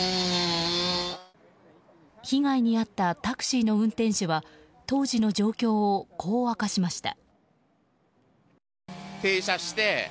被害に遭ったタクシーの運転手は当時の状況をこう明かしました。